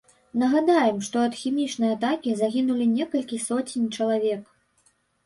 Нагадаем, што ад хімічнай атакі загінулі некалькі соцень чалавек.